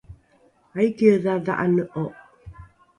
aikiedha dha’ane’o?